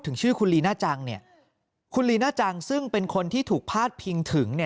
ชื่อคุณลีน่าจังคุณลีน่าจังซึ่งเป็นคนที่ถูกพาดพิงถึง